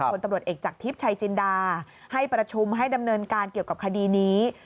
คนตำรวจเอกจากทิพย์ชัยจินดาให้ประชุมให้ดำเนินการเกี่ยวกับคดีนี้